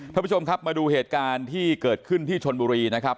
ท่านผู้ชมครับมาดูเหตุการณ์ที่เกิดขึ้นที่ชนบุรีนะครับ